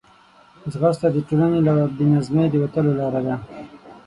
ځغاسته د ټولنې له بې نظمۍ د وتلو لار ده